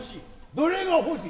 どれが欲しい。